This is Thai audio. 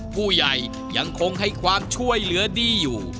ผู้ใหญ่ยังคงให้ความช่วยเหลือดีอยู่